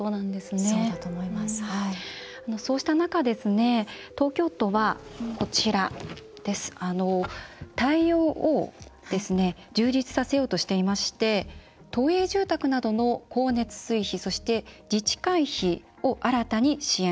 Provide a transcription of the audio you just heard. そうした中で東京都は対応を充実させようとしていまして都営住宅などの光熱水費そして自治会費を新たに支援。